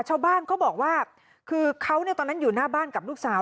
ชาวบ้านเขาบอกว่าคือเขาตอนนั้นอยู่หน้าบ้านกับลูกสาว